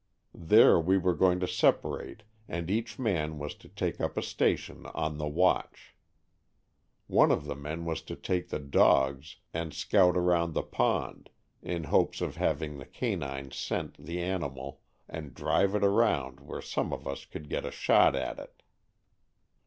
There we were going to separate and each man was to take up a station "on the watch." One of the men was to take the dogs and 61 Stories from the Adirondack*, scout around the pond in hopes of having the canines scent the animal and drive it around where some of us could get a shot at it.